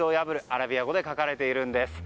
アラビア語で書かれているんです。